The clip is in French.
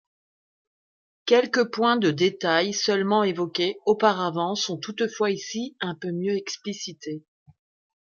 Quelques points de détails seulement évoqués auparavant sont toutefois ici un peu mieux explicités.